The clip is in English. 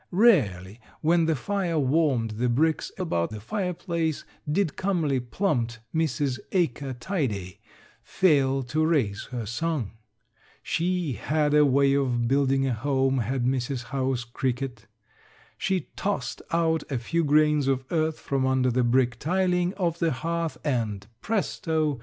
Rarely when the fire warmed the bricks about the fireplace did comely, plump Mrs. Acre Tidae fail to raise her song. She had a way of building a home had Mrs. House Cricket. She tossed out a few grains of earth from under the brick tiling of the hearth and presto!